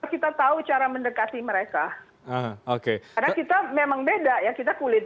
kita tahu cara mendekati mereka oke karena kita memang beda ya kita kulit